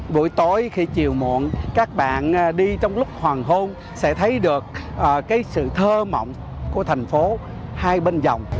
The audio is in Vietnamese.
buổi tối khi chiều muộn các bạn đi trong lúc hoàng hôn sẽ thấy được sự thơ mộng của thành phố hai bên dòng